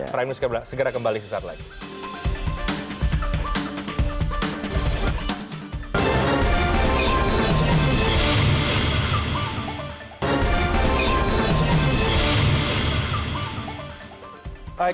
prime news segera kembali sesaat lagi